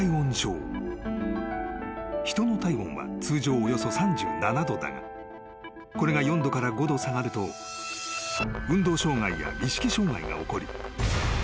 ［人の体温は通常およそ３７℃だがこれが４℃から５℃下がると運動障がいや意識障がいが起こり１０℃